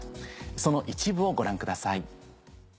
その一部をご覧ください。